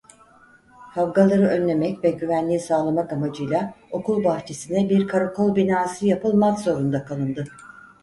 Kavgaları önlemek ve güvenliği sağlamak amacıyla okul bahçesine bir karakol binası yapılmak zorunda kalındı.